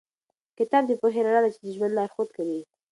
کتاب د پوهې رڼا ده چې د ژوند لارښود کوي.